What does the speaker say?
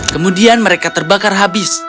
kemudian mereka terbakar habis